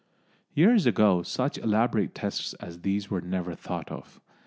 Years ago such elaborate tests as these were never thought of.